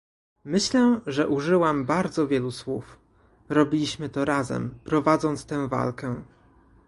Myślę, że użyłam bardzo wielu słów - robiliśmy to razem, prowadząc tę walkę